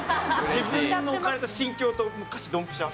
自分の置かれた心境と歌詞ドンピシャ？